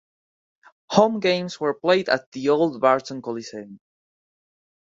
Home games were played at the old Barton Coliseum.